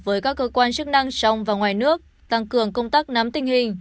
với các cơ quan chức năng trong và ngoài nước tăng cường công tác nắm tình hình